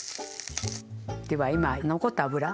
では今残った脂。